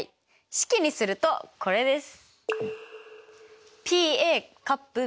式にするとこれです！